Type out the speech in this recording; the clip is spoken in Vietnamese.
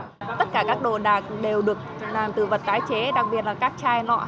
tất cả các đồ đạc đều được làm từ vật tái chế đặc biệt là các chai nọ